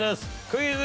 クイズ。